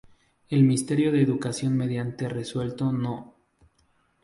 El Ministerio de Educación mediante Resuelto No.